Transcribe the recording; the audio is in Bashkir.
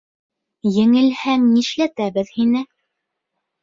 Еңелһәң, нишләтәбеҙ һине?